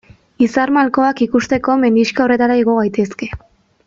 Izar malkoak ikusteko mendixka horretara igo gaitezke.